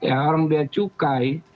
ya orang dia cukai